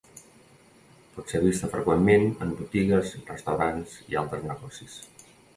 Pot ser vista freqüentment en botigues, restaurants i altres negocis.